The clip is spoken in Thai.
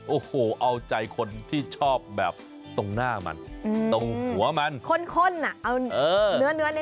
โอ้โหเอาใจคนที่ชอบแบบตรงหน้ามันตรงหัวมันข้นอ่ะเอาเนื้อเนื้อใน